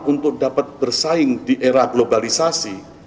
untuk dapat bersaing di era globalisasi